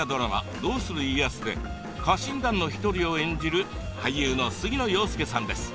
「どうする家康」で家臣団の１人を演じる俳優の杉野遥亮さんです。